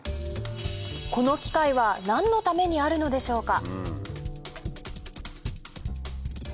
この機械は何のためにあるのでしょうか？